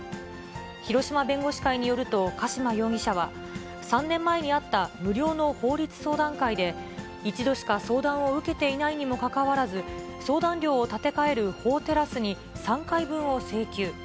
広島弁護士会によると、加島容疑者は、３年前にあった無料の法律相談会で、一度しか相談を受けていないにもかかわらず、相談料を立て替える法テラスに３回分を請求。